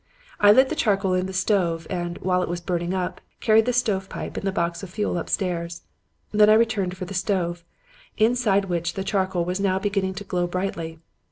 "I lit the charcoal in the stove, and, while it was burning up, carried the stovepipe and the box of fuel upstairs. Then I returned for the stove, inside which the charcoal was now beginning to glow brightly.